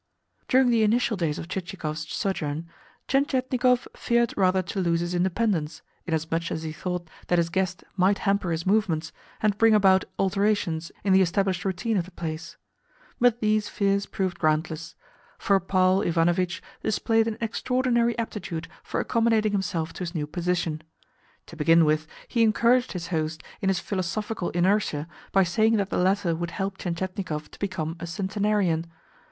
During the initial days of Chichikov's sojourn, Tientietnikov feared rather to lose his independence, inasmuch as he thought that his guest might hamper his movements, and bring about alterations in the established routine of the place. But these fears proved groundless, for Paul Ivanovitch displayed an extraordinary aptitude for accommodating himself to his new position. To begin with, he encouraged his host in his philosophical inertia by saying that the latter would help Tientietnikov to become a centenarian.